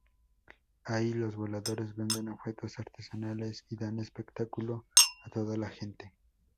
Ahí, los voladores venden objetos artesanales, y dan espectáculo a toda la gente.